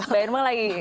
mbak irma lagi